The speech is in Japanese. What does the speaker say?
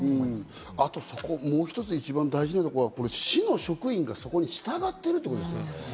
あともう一つ大事なのはそこに市の職員が従っているということです。